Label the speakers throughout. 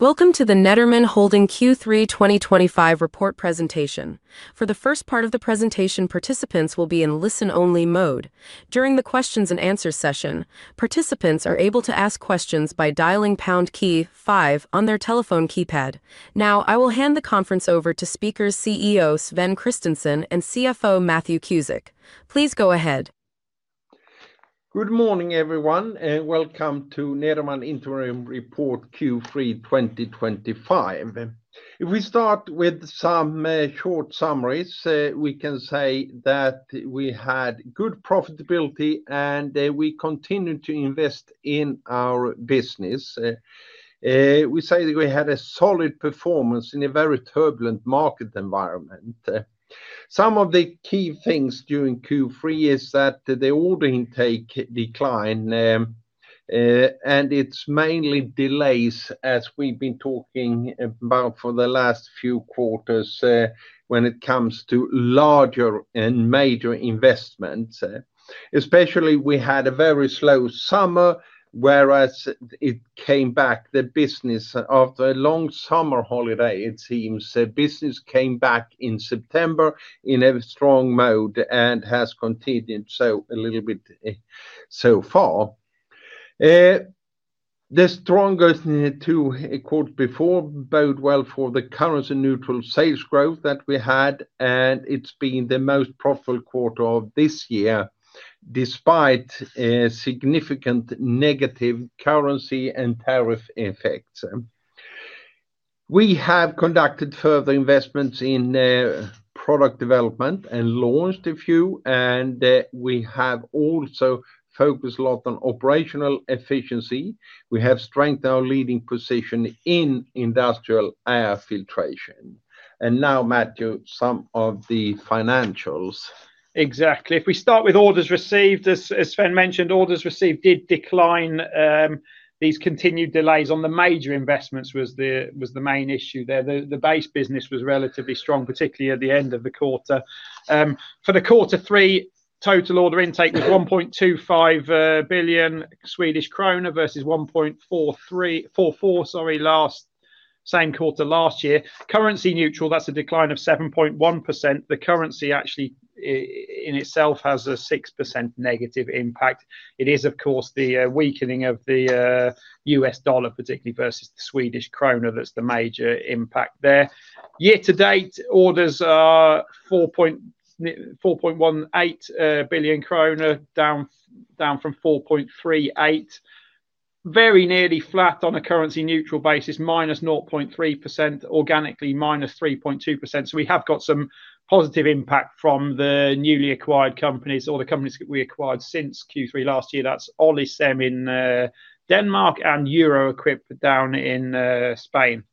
Speaker 1: Welcome to the Nederman Holding Q3 2025 report presentation. For the first part of the presentation, participants will be in listen-only mode. During the questions and answers session, participants are able to ask questions by dialing the pound key five on their telephone keypad. Now, I will hand the conference over to speakers CEO Sven Kristensson and CFO Matthew Cusick. Please go ahead.
Speaker 2: Good morning everyone, and welcome to the Nederman interim report Q3 2025. If we start with some short summaries, we can say that we had good profitability and we continued to invest in our business. We say that we had a solid performance in a very turbulent market environment. Some of the key things during Q3 is that the order intake declined, and it's mainly delays as we've been talking about for the last few quarters when it comes to larger and major investments. Especially, we had a very slow summer, whereas it came back, the business after a long summer holiday, it seems business came back in September in a strong mode and has continued so a little bit so far. The strongest two quarters before bode well for the currency-neutral sales growth that we had, and it's been the most profitable quarter of this year despite significant negative currency and tariff effects. We have conducted further investments in product development and launched a few, and we have also focused a lot on operational efficiency. We have strengthened our leading position in industrial air filtration. Now, Matthew, some of the financials.
Speaker 3: Exactly. If we start with orders received, as Sven mentioned, orders received did decline. These continued delays on the major investments was the main issue there. The base business was relatively strong, particularly at the end of the quarter. For the quarter three, total order intake was 1.25 billion Swedish krona versus 1.44 billion, sorry, same quarter last year. Currency-neutral, that's a decline of 7.1%. The currency actually in itself has a 6% negative impact. It is, of course, the weakening of the U.S. dollar, particularly versus the Swedish krona. That's the major impact there. Year to date, orders are 4.18 billion kronor, down from 4.38 billion. Very nearly flat on a currency-neutral basis, -0.3% organically, -3.2%. We have got some positive impact from the newly acquired companies or the companies that we acquired since Q3 last year. That's Olicem in Denmark and Euro-Equip. down in Spain.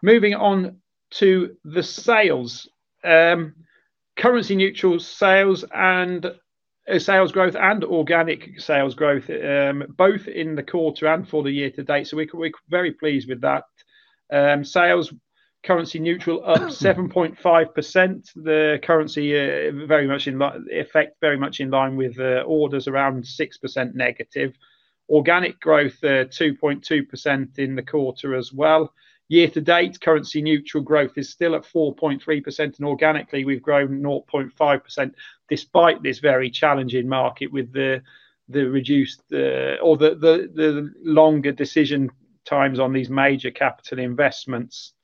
Speaker 3: Moving on to the sales, currency-neutral sales and sales growth and organic sales growth, both in the quarter and for the year to date. We're very pleased with that. Sales currency-neutral up 7.5%. The currency very much in effect, very much in line with orders around 6% negative. Organic growth 2.2% in the quarter as well. Year to date, currency-neutral growth is still at 4.3% and organically we've grown 0.5% despite this very challenging market with the reduced or the longer decision times on these major capital investments.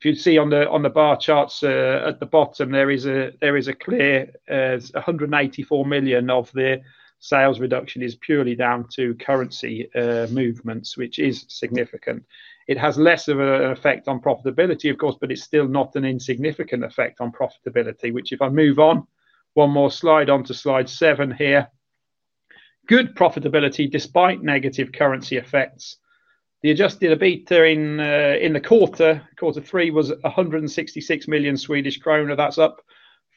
Speaker 3: If you'd see on the bar charts at the bottom, there is a clear 184 million of the sales reduction is purely down to currency movements, which is significant. It has less of an effect on profitability, of course, but it's still not an insignificant effect on profitability, which if I move on one more slide onto slide seven here, good profitability despite negative currency effects. The adjusted EBITDA in the quarter, quarter three, was 166 million Swedish kronor. That's up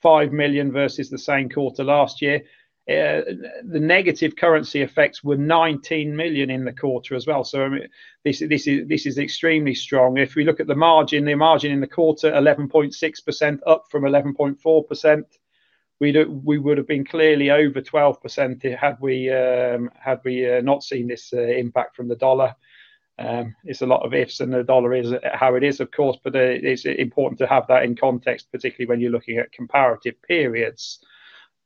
Speaker 3: 5 million versus the same quarter last year. The negative currency effects were 19 million in the quarter as well. This is extremely strong. If we look at the margin, the margin in the quarter 11.6% up from 11.4%. We would have been clearly over 12% had we not seen this impact from the dollar. It's a lot of ifs and the dollar is how it is, of course, but it's important to have that in context, particularly when you're looking at comparative periods.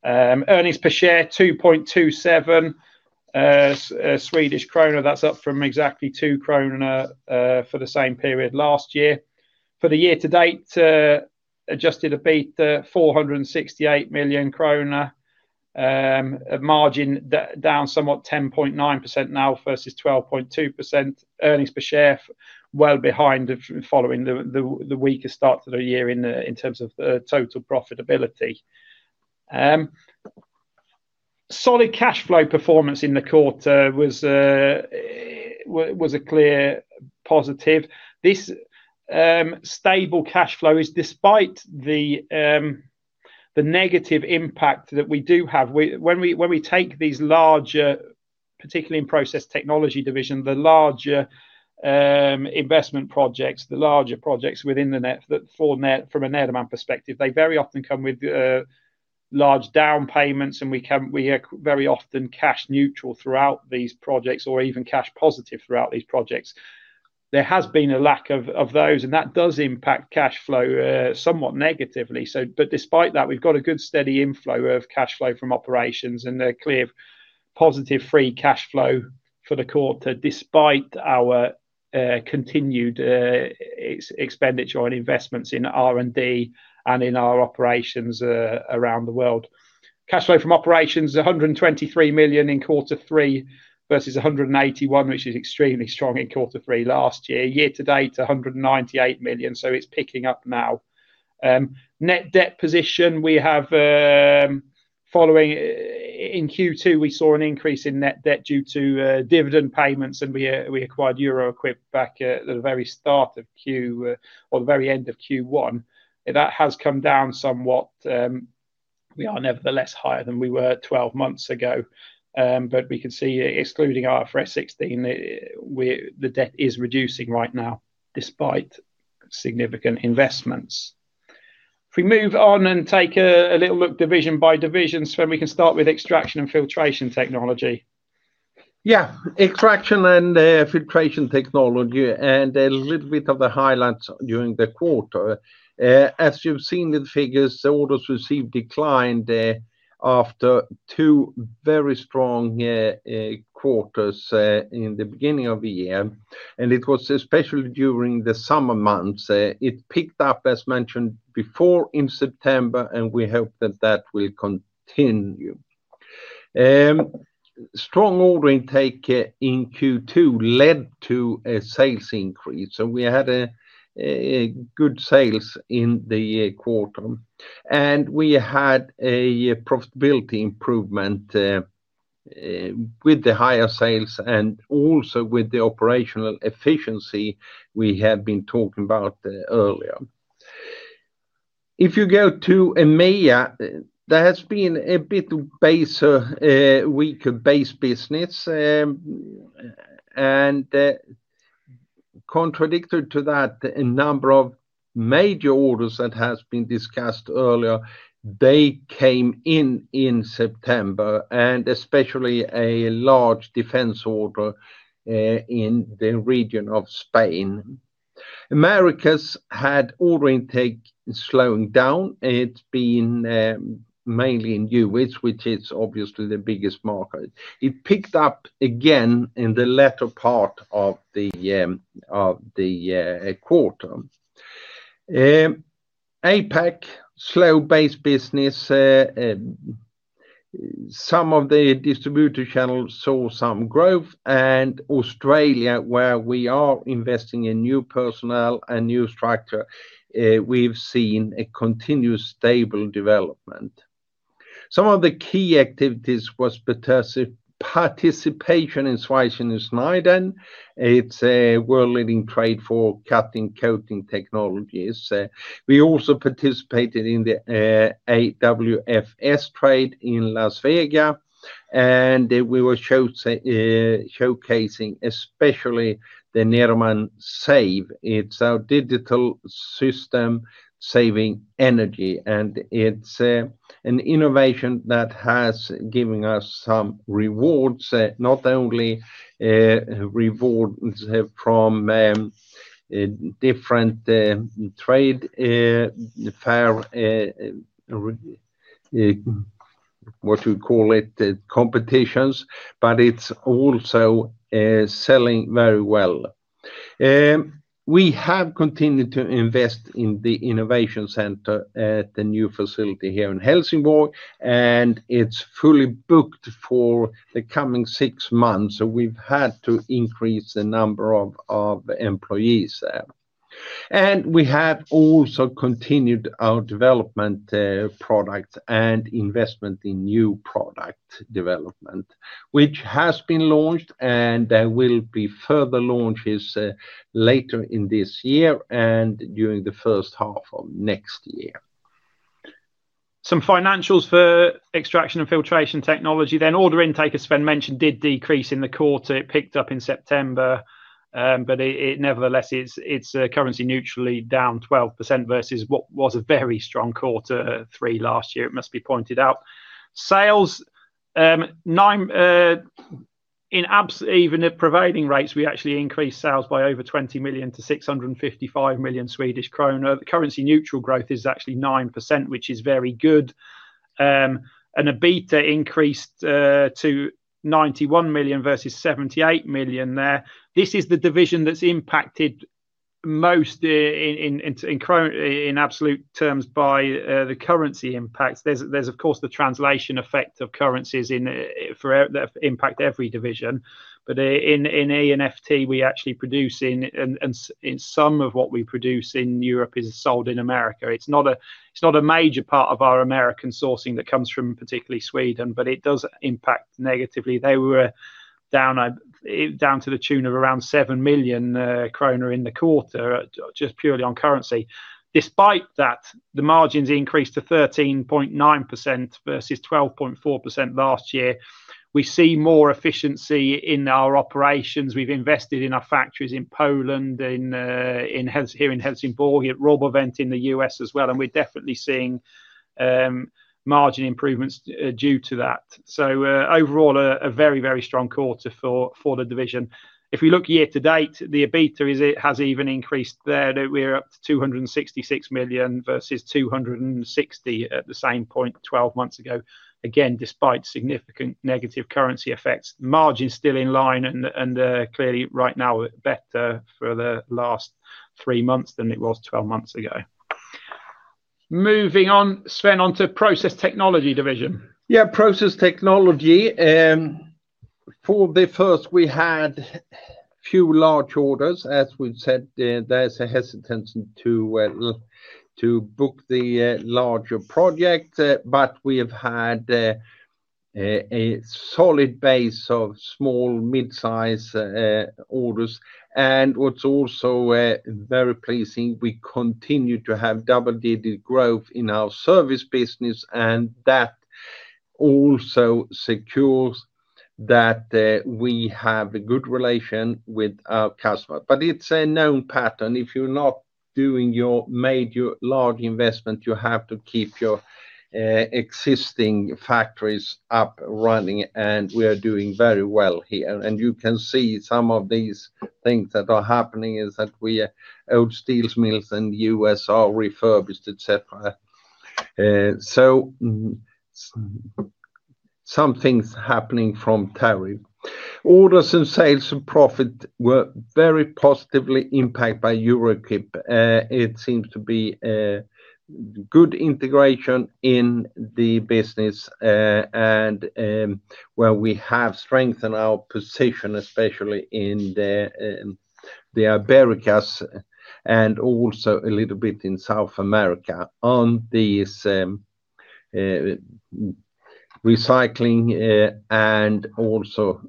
Speaker 3: Earnings per share 2.27 Swedish kronor, that's up from exactly 2.00 krona for the same period last year. For the year to date, adjusted EBITDA 468 million krona. Margin down somewhat, 10.9% now versus 12.2%. Earnings per share well behind following the weaker start to the year in terms of total profitability. Solid cash flow performance in the quarter was a clear positive. This stable cash flow is despite the negative impact that we do have. When we take these larger, particularly in process technology division, the larger investment projects, the larger projects within the net from a Nederman perspective, they very often come with large down payments and we are very often cash neutral throughout these projects or even cash positive throughout these projects. There has been a lack of those and that does impact cash flow somewhat negatively. Despite that, we've got a good steady inflow of cash flow from operations and a clear positive free cash flow for the quarter despite our continued expenditure and investments in R&D and in our operations around the world. Cash flow from operations 123 million in quarter three versus 181 million, which is extremely strong in quarter three last year. Year to date 198 million, so it's picking up now. Net debt position we have following in Q2, we saw an increase in net debt due to dividend payments and we acquired Euro-Equip back at the very start of Q or the very end of Q1. That has come down somewhat. We are nevertheless higher than we were 12 months ago, but we can see excluding IFRS 16, the debt is reducing right now despite significant investments. If we move on and take a little look division by division, Sven, we can start with extraction and filtration technology.
Speaker 2: Yeah, extraction and filtration technology and a little bit of the highlights during the quarter. As you've seen with figures, the orders received declined after two very strong quarters in the beginning of the year, and it was especially during the summer months. It picked up, as mentioned before, in September, and we hope that that will continue. Strong order intake in Q2 led to a sales increase, so we had good sales in the quarter, and we had a profitability improvement with the higher sales and also with the operational efficiency we have been talking about earlier. If you go to EMEA, there has been a bit of weaker base business, and contradictory to that, a number of major orders that have been discussed earlier, they came in in September, and especially a large defense order in the region of Spain. Americas had order intake slowing down. It's been mainly in the U.S., which is obviously the biggest market. It picked up again in the latter part of the quarter. APAC, slow base business, some of the distributor channels saw some growth, and Australia, where we are investing in new personnel and new structure, we've seen a continuous stable development. Some of the key activities were participation in Schweissen and Schneiden. It's a world-leading trade for cutting coating technologies. We also participated in the AWFS trade in Las Vegas, and we were showcasing especially the Nederman Save. It's our digital system saving energy, and it's an innovation that has given us some rewards, not only rewards from different trade fair, what do you call it, competitions, but it's also selling very well. We have continued to invest in the innovation center at the new facility here in Helsingborg, and it's fully booked for the coming six months. We've had to increase the number of employees there. We have also continued our development product and investment in new product development, which has been launched and there will be further launches later in this year and during the first half of next year.
Speaker 3: Some financials for extraction and filtration technology. Order intake, as Sven mentioned, did decrease in the quarter. It picked up in September, but nevertheless, it's currency-neutrally down 12% versus what was a very strong quarter three last year, it must be pointed out. Sales, in absolutely even at prevailing rates, we actually increased sales by over 20 million to 655 million Swedish kronor. Currency-neutral growth is actually 9%, which is very good. EBITDA increased to 91 million versus 78 million there. This is the division that's impacted most in absolute terms by the currency impact. There's, of course, the translation effect of currencies that impact every division. In extraction and filtration technology, we actually produce in some of what we produce in Europe is sold in America. It's not a major part of our American sourcing that comes from particularly Sweden, but it does impact negatively. They were down to the tune of around 7 million kronor in the quarter just purely on currency. Despite that, the margins increased to 13.9% versus 12.4% last year. We see more efficiency in our operations. We've invested in our factories in Poland, here in Helsingborg, at RoboVent in the U.S. as well, and we're definitely seeing margin improvements due to that. Overall, a very, very strong quarter for the division. If we look year to date, the EBITDA has even increased there. We're up to 266 million versus 260 million at the same point 12 months ago. Again, despite significant negative currency effects, margin still in line and clearly right now better for the last three months than it was 12 months ago. Moving on, Sven, on to process technology division.
Speaker 2: Yeah, process technology. For the first, we had a few large orders. As we've said, there's a hesitancy to book the larger project, but we have had a solid base of small, mid-size orders. What's also very pleasing, we continue to have double-digit growth in our service business, and that also secures that we have a good relation with our customer. It's a known pattern. If you're not doing your major large investment, you have to keep your existing factories up running, and we are doing very well here. You can see some of these things that are happening is that old steel mills in the U.S. are refurbished, etc. Some things happening from tariff. Orders and sales and profit were very positively impacted by Euro-Equip. It seems to be a good integration in the business and where we have strengthened our position, especially in the Americas and also a little bit in South America on these recycling and also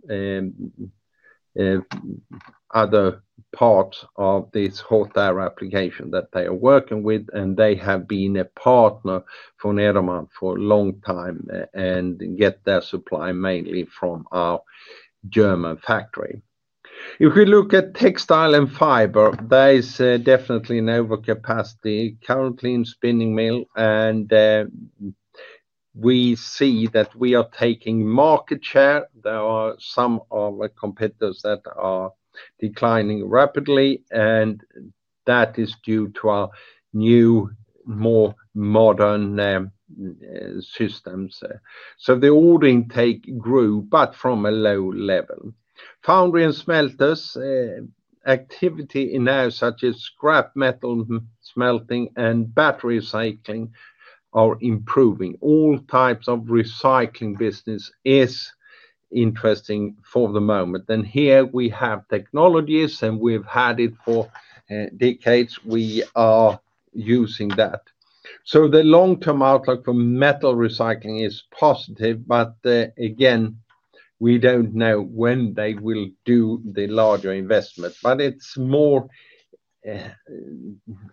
Speaker 2: other parts of this hot air application that they are working with. They have been a partner for Nederman for a long time and get their supply mainly from our German factory. If we look at textile and fiber, there is definitely an overcapacity currently in spinning mill, and we see that we are taking market share. There are some of our competitors that are declining rapidly, and that is due to our new, more modern systems. The order intake grew, but from a low level. Foundry and smelters, activity in air such as scrap metal smelting and battery recycling are improving. All types of recycling business is interesting for the moment. Here we have technologies, and we've had it for decades. We are using that. The long-term outlook for metal recycling is positive, but again, we don't know when they will do the larger investment. It's more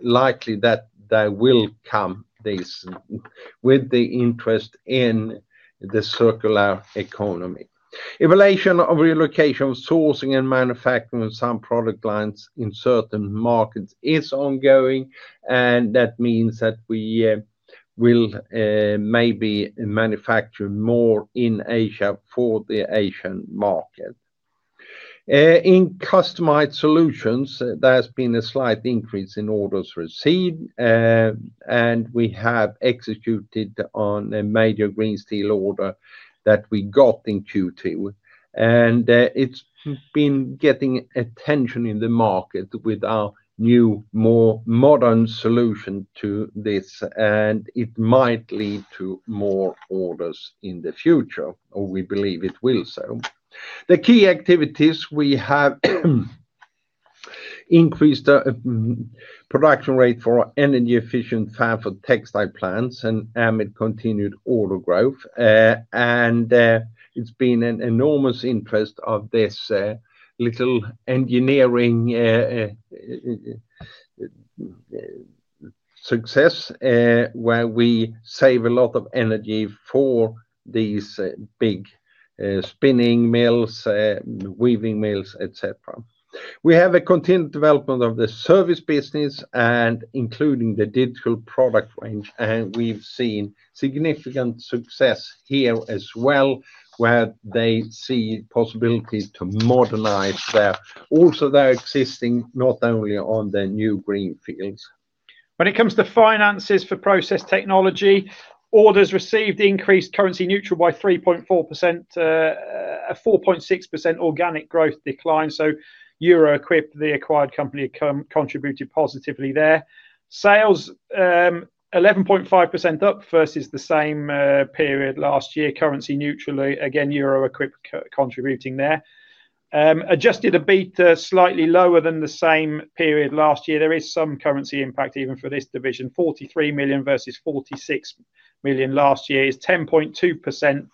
Speaker 2: likely that there will come this with the interest in the circular economy. Evaluation of relocation of sourcing and manufacturing of some product lines in certain markets is ongoing, and that means that we will maybe manufacture more in Asia for the Asian market. In customized solutions, there has been a slight increase in orders received, and we have executed on a major green steel order that we got in Q2. It's been getting attention in the market with our new, more modern solution to this, and it might lead to more orders in the future, or we believe it will. The key activities, we have increased the production rate for energy efficient fab for textile plants amid continued order growth. It's been an enormous interest of this little engineering success where we save a lot of energy for these big spinning mills, weaving mills, etc. We have a continued development of the service business, including the digital product range, and we've seen significant success here as well where they see the possibility to modernize their existing, not only on the new green fields.
Speaker 3: When it comes to finances for process technology, orders received increased currency-neutral by 3.4%. A 4.6% organic growth decline. Euro-Equip, the acquired company, contributed positively there. Sales, 11.5% up versus the same period last year. Currency-neutral, again, Euro-Equip. contributing there. Adjusted EBITDA slightly lower than the same period last year. There is some currency impact even for this division. 43 million versus 46 million last year is 10.2%,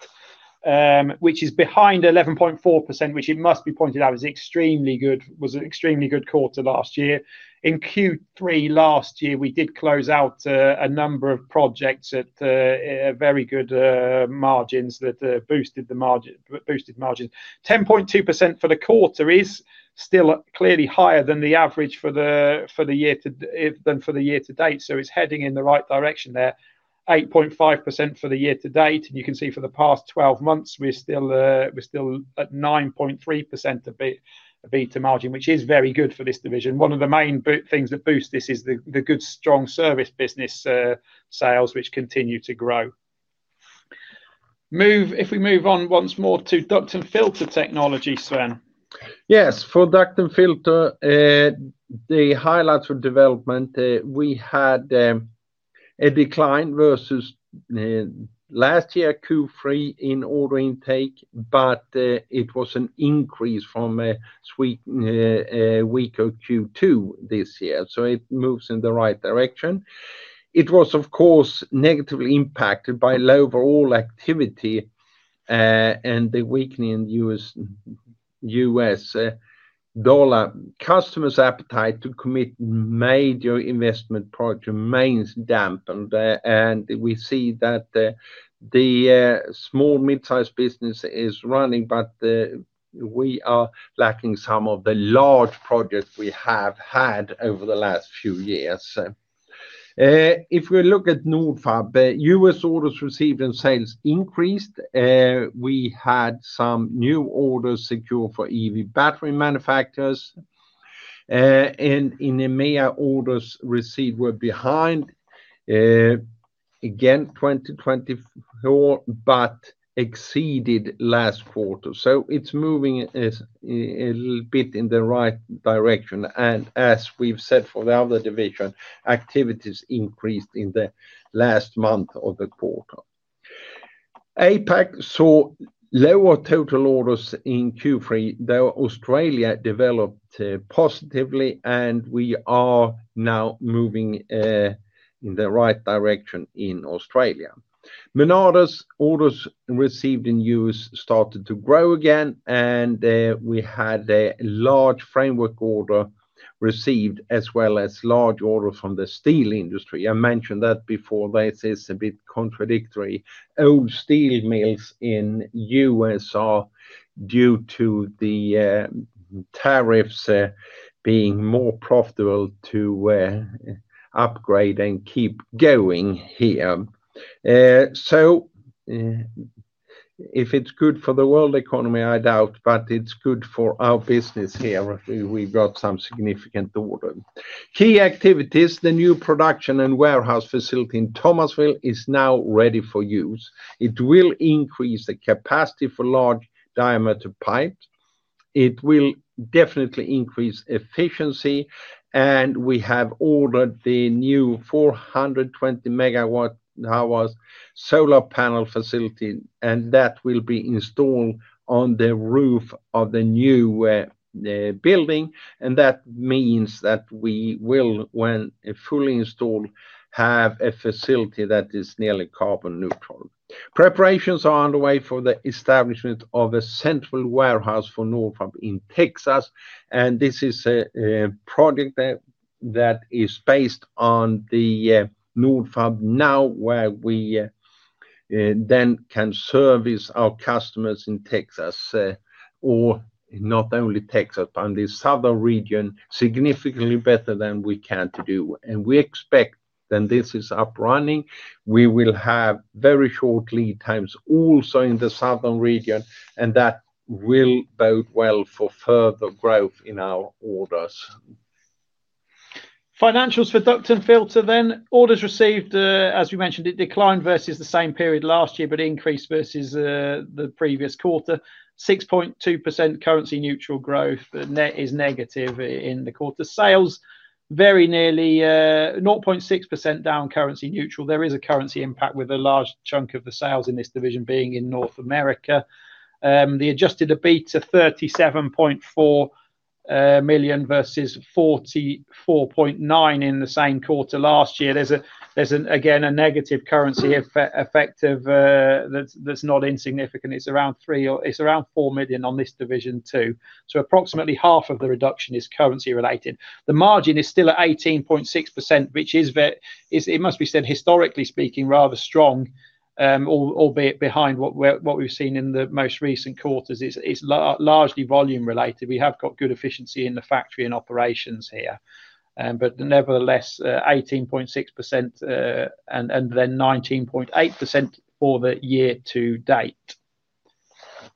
Speaker 3: which is behind 11.4%, which it must be pointed out is extremely good. It was an extremely good quarter last year. In Q3 last year, we did close out a number of projects at very good margins that boosted the margins. 10.2% for the quarter is still clearly higher than the average for the year to date. It's heading in the right direction there. 8.5% for the year to date. You can see for the past 12 months, we're still at 9.3% of EBITDA margin, which is very good for this division. One of the main things that boosts this is the good strong service business sales which continue to grow. If we move on once more to duct and filter technology, Sven.
Speaker 2: Yes, for duct and filter, the highlights for development, we had a decline versus last year Q3 in order intake, but it was an increase from a weaker Q2 this year. It moves in the right direction. It was, of course, negatively impacted by low overall activity and the weakening in the U.S. dollar. Customers' appetite to commit major investment projects remains dampened, and we see that the small mid-sized business is running, but we are lacking some of the large projects we have had over the last few years. If we look at Nordfab, U.S. orders received and sales increased. We had some new orders secured for EV battery manufacturers. In EMEA, orders received were behind, again, 2024, but exceeded last quarter. It is moving a little bit in the right direction. As we've said for the other division, activities increased in the last month of the quarter. APAC saw lower total orders in Q3. Although Australia developed positively, and we are now moving in the right direction in Australia. Menards, orders received in the U.S. started to grow again, and we had a large framework order received as well as large orders from the steel industry. I mentioned that before. This is a bit contradictory. Old steel mills in the U.S. are, due to the tariffs, being more profitable to upgrade and keep going here. If it's good for the world economy, I doubt, but it's good for our business here. We've got some significant order. Key activities, the new production and warehouse facility in Thomasville is now ready for use. It will increase the capacity for large diameter pipes. It will definitely increase efficiency, and we have ordered the new 420 MW hours solar panel facility, and that will be installed on the roof of the new building. That means that we will, when fully installed, have a facility that is nearly carbon neutral. Preparations are underway for the establishment of a central warehouse for Nordfab in Texas. This is a project that is based on the Nordfab now, where we then can service our customers in Texas, or not only Texas, but in the southern region, significantly better than we can to do. We expect that this is up running. We will have very short lead times also in the southern region, and that will bode well for further growth in our orders.
Speaker 3: Financials for duct and filter then. Orders received, as you mentioned, it declined versus the same period last year, but increased versus the previous quarter. 6.2% currency-neutral growth net is negative in the quarter. Sales very nearly 0.6% down currency-neutral. There is a currency impact with a large chunk of the sales in this division being in North America. The adjusted EBITDA 37.4 million versus 44.9 million in the same quarter last year. There's again a negative currency effect that's not insignificant. It's around 4 million on this division too. Approximately half of the reduction is currency related. The margin is still at 18.6%, which is, it must be said, historically speaking, rather strong, albeit behind what we've seen in the most recent quarters. It's largely volume related. We have got good efficiency in the factory and operations here. Nevertheless, 18.6% and then 19.8% for the year to date.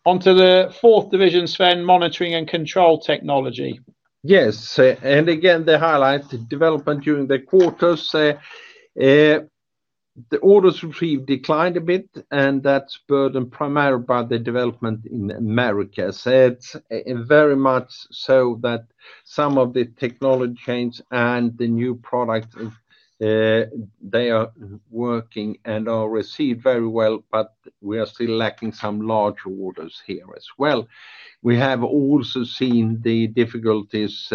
Speaker 3: Onto the fourth division, Sven, monitoring and control technology.
Speaker 2: Yes, and again the highlight development during the quarters. The orders received declined a bit, and that's burdened primarily by the development in America. It's very much so that some of the technology chains and the new products, they are working and are received very well, but we are still lacking some large orders here as well. We have also seen the difficulties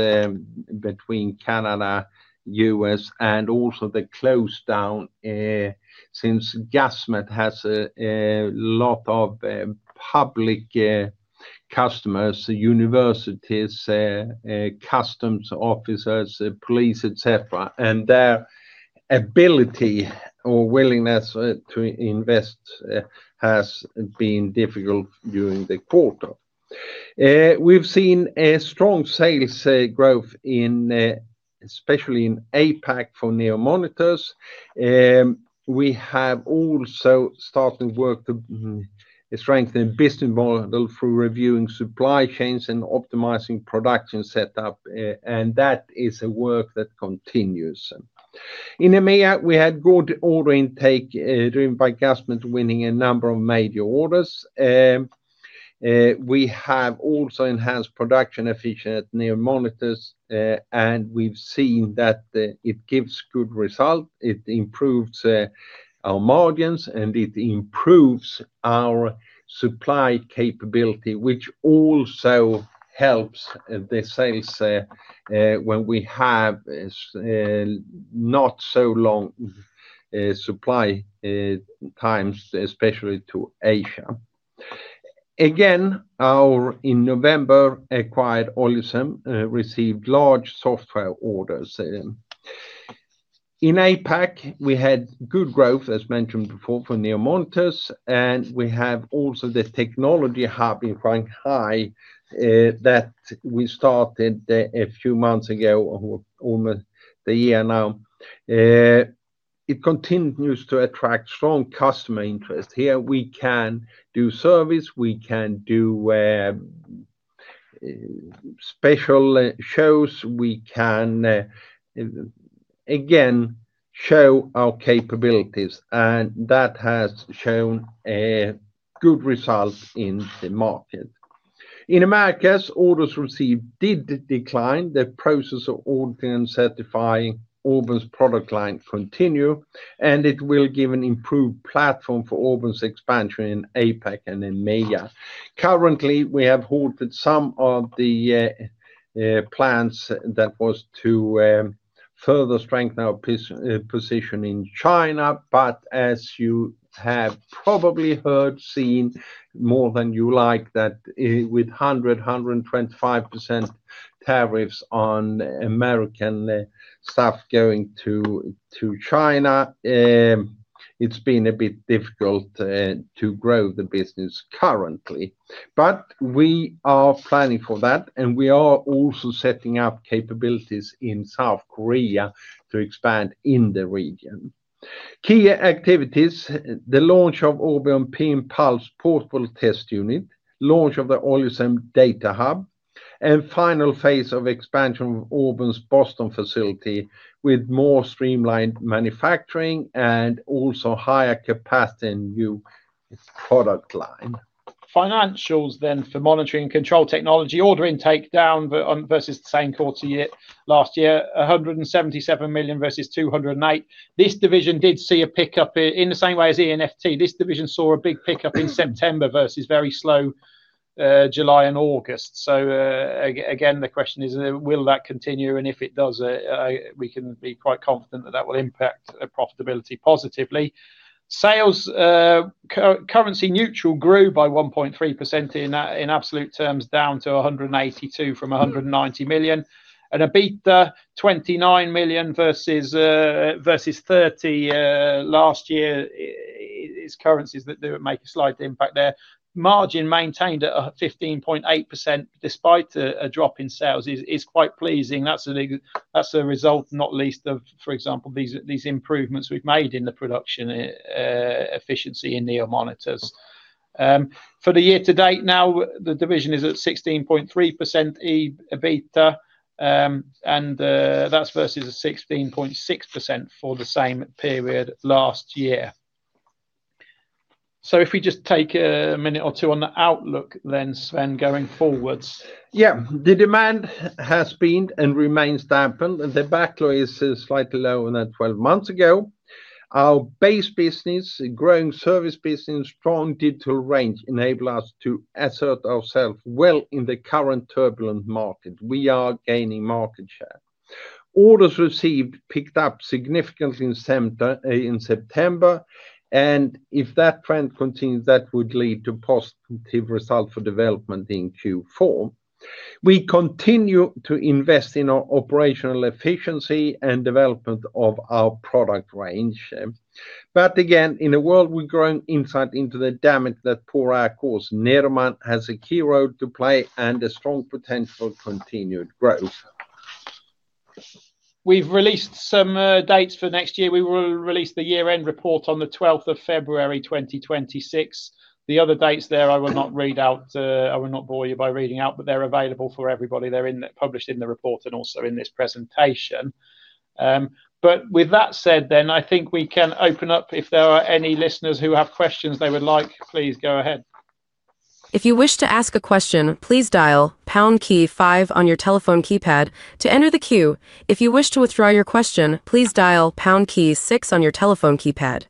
Speaker 2: between Canada, U.S., and also the close down since Gasmet has a lot of public customers, universities, customs officers, police, etc. Their ability or willingness to invest has been difficult during the quarter. We've seen a strong sales growth, especially in APAC for NEO Monitors. We have also started work to strengthen the business model through reviewing supply chains and optimizing production setup. That is a work that continues. In EMEA, we had good order intake driven by Gasmet winning a number of major orders. We have also enhanced production efficiency in NEO Monitors, and we've seen that it gives good results. It improves our margins and it improves our supply capability, which also helps the sales when we have not so long supply times, especially to Asia. Again, our in November acquired Olicem received large software orders. In APAC, we had good growth, as mentioned before, for NEO Monitors, and we have also the technology hub in Shanghai that we started a few months ago, almost a year now. It continues to attract strong customer interest. Here we can do service, we can do special shows, we can again show our capabilities, and that has shown a good result in the market. In America, orders received did decline. The process of auditing and certifying OBUS product line continues, and it will give an improved platform for OBUS expansion in APAC and EMEA. Currently, we have halted some of the plans that were to further strengthen our position in China, but as you have probably heard, seen more than you like that with 100%, 125% tariffs on American stuff going to China, it's been a bit difficult to grow the business currently. We are planning for that, and we are also setting up capabilities in South Korea to expand in the region. Key activities, the launch of OBUS PM Pulse portable test unit, launch of the Olicem Data Hub, and final phase of expansion of OBUS Boston facility with more streamlined manufacturing and also higher capacity in the new product line.
Speaker 3: Financials then for monitoring and control technology. Order intake down versus the same quarter last year, 177 million versus 208 million. This division did see a pickup in the same way as E&FT. This division saw a big pickup in September versus very slow July and August. The question is, will that continue? If it does, we can be quite confident that that will impact profitability positively. Sales, currency-neutral, grew by 1.3% in absolute terms, down to 182 million from 190 million. EBITDA 29 million versus 30 million last year, it's currencies that do make a slight impact there. Margin maintained at 15.8% despite a drop in sales is quite pleasing. That's a result, not least of, for example, these improvements we've made in the production efficiency in NEO Monitors. For the year to date now, the division is at 16.3% EBITDA, and that's versus 16.6% for the same period last year. If we just take a minute or two on the outlook then, Sven, going forwards.
Speaker 2: Yeah, the demand has been and remains dampened, and the backlog is slightly lower than 12 months ago. Our base business, a growing service business, strong digital range enable us to assert ourselves well in the current turbulent market. We are gaining market share. Orders received picked up significantly in September, and if that trend continues, that would lead to positive results for development in Q4. We continue to invest in our operational efficiency and development of our product range. Again, in a world where growing insight into the damage that for our course, Nederman has a key role to play and a strong potential for continued growth.
Speaker 3: We've released some dates for next year. We will release the year-end report on the 12th of February 2026. The other dates there, I will not read out, I will not bore you by reading out, but they're available for everybody. They're published in the report and also in this presentation. With that said, I think we can open up if there are any listeners who have questions they would like, please go ahead.
Speaker 1: If you wish to ask a question, please dial pound key five on your telephone keypad to enter the queue. If you wish to withdraw your question, please dial pound key six on your telephone keypad.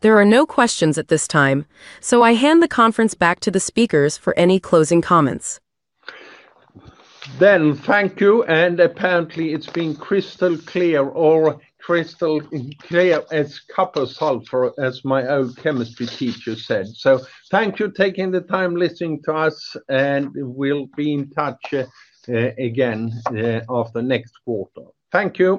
Speaker 1: There are no questions at this time, so I hand the conference back to the speakers for any closing comments.
Speaker 2: Thank you. Apparently, it's been crystal clear or crystal clear as copper sulfur, as my old chemistry teacher said. Thank you for taking the time listening to us, and we'll be in touch again after next quarter. Thank you.